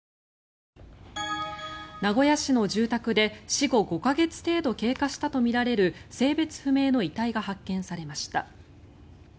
名古屋市の住宅で死後５か月程度経過したとみられる性別不明の遺体が発見されました。